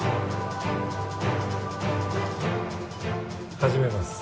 始めます。